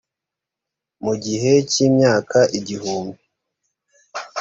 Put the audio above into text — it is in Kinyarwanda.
mu gihe cy imyaka igihumbi